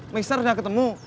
mister udah ketemu